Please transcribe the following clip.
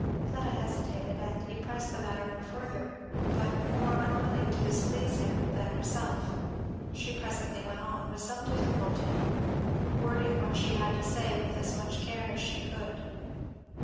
Fleda hesitated, and he pressed the matter no further; but more unwilling to displease him than herself she presently went on, with some difficulty; wording what she had to say with as much care as she could.